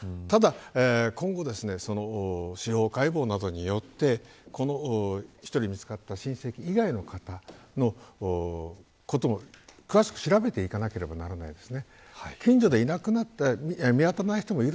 ただ、今後司法解剖などによって１人見つかった親戚以外の方以外のことも詳しく調べなければいけません。